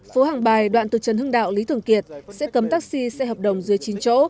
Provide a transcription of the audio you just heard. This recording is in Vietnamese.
phố hàng bài đoạn từ trần hưng đạo lý thường kiệt sẽ cấm taxi xe hợp đồng dưới chín chỗ